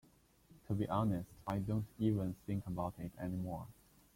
To be honest, I don't even think about it any more.